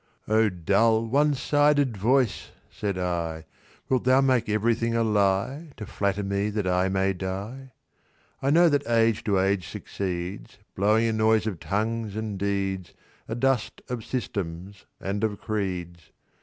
"O dull, one sided voice," said I, "Wilt thou make everything a lie, To flatter me that I may die? "I know that age to age succeeds, Blowing a noise of tongues and deeds, A dust of systems and of creeds.